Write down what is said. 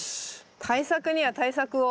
対策には対策を。